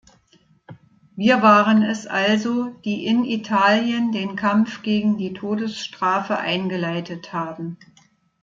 Wir waren es also, die in Italien den Kampf gegen die Todesstrafe eingeleitet haben.